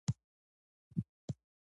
د زده کړې په پروسه کې مورنۍ ژبه مرسته کوي.